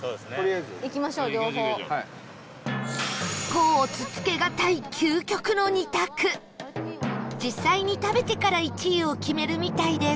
甲乙つけがたい究極の２択実際に食べてから１位を決めるみたいです